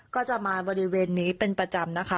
ก็จะมาบริเวณนี้เป็นประจำนะคะ